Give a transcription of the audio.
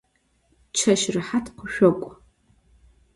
Çeş rehat khışsok'u.